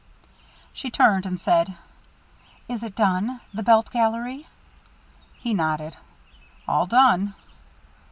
She turned and said, "Is it done the belt gallery?" He nodded. "All done."